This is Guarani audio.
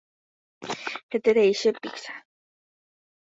Heterei che pizza.